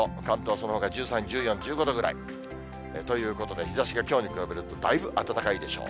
そのほか、１３、１４、１５度ぐらい。ということで、日ざしがきょうに比べると、だいぶ暖かいでしょう。